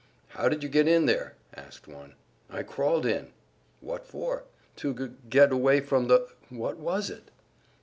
"How did you get in there?" asked one. "I crawled in." "What for?" "To g g get away from the what was it?"